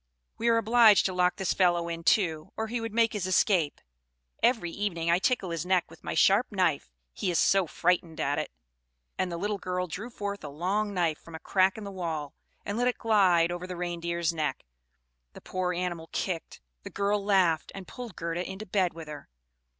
"We are obliged to lock this fellow in too, or he would make his escape. Every evening I tickle his neck with my sharp knife; he is so frightened at it!" and the little girl drew forth a long knife, from a crack in the wall, and let it glide over the Reindeer's neck. The poor animal kicked; the girl laughed, and pulled Gerda into bed with her.